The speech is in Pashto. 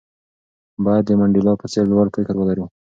باید د منډېلا په څېر لوړ فکر ولرو.